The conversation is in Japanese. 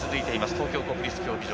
東京・国立競技場。